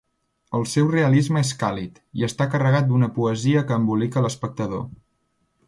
El seu realisme és càlid, i està carregat d'una poesia que embolica a l'espectador.